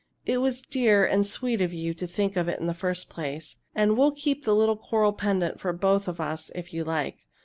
It was dear and sweet of you to think of it in the first place and we'll keep the little coral pendant for both of us if you like.